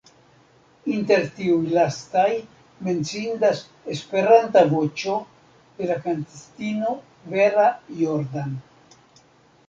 Inter tiuj lastaj menciindas "Esperanta Voĉo", de la kantistino Vera Jordan.